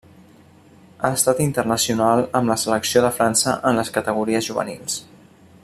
Ha estat internacional amb la selecció de França en les categories juvenils.